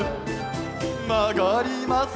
「まがります」